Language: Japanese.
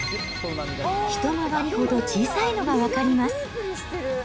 一回りほど小さいのが分かります。